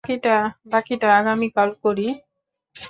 বাকিটা আগামীকাল করি?